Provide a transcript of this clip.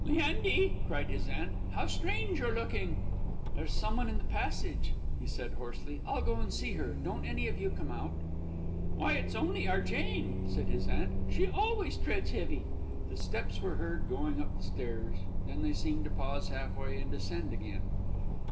"Leandy," cried his aunt, "how strange you're looking!" "There's some one in the passage," he said, hoarsely. "I'll go and see her. Don't any of you come out." "Why, it's only our Jane," said his aunt; "she always treads heavy." The steps were heard going up the stairs; then they seemed to pause halfway, and descend again.